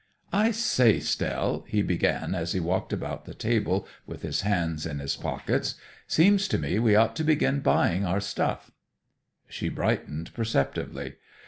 "I say, Stell'," he began as he walked about the table with his hands in his pockets, "seems to me we ought to begin buying our stuff." She brightened perceptibly.